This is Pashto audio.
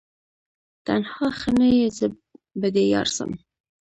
تنها ښه نه یې زه به دي یارسم